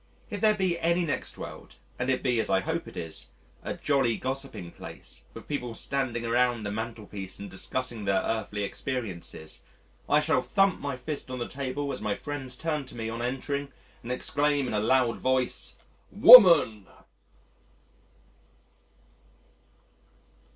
If there be any next world and it be as I hope it is, a jolly gossiping place, with people standing around the mantelpiece and discussing their earthly experiences, I shall thump my fist on the table as my friends turn to me on entering and exclaim in a loud voice, "WOMAN."